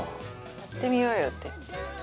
やってみようよって言って。